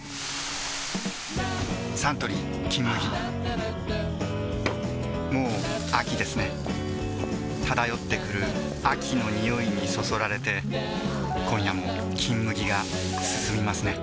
サントリー「金麦」もう秋ですね漂ってくる秋の匂いにそそられて今夜も「金麦」がすすみますね